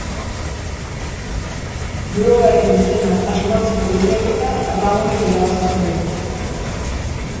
Blogaren izena asmatzeko lehiaketa Ramonek irabazi zuen.